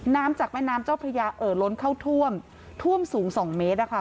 จากแม่น้ำเจ้าพระยาเอ่อล้นเข้าท่วมท่วมสูงสองเมตรนะคะ